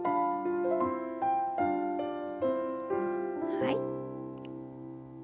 はい。